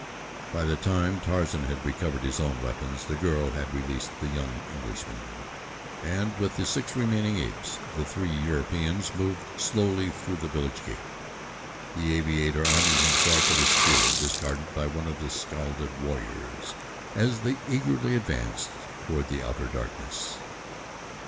By the time Tarzan had recovered his own weapons the girl had released the young Englishman, and, with the six remaining apes, the three Europeans moved slowly toward the village gate, the aviator arming himself with a spear discarded by one of the scalded warriors, as they eagerly advanced toward the outer darkness.